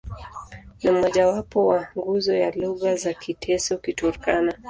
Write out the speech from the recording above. Ni mmojawapo wa nguzo ya lugha za Kiteso-Kiturkana.